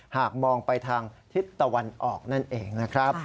หากมองไปทางทิศตะวันออกนั่นเองนะครับ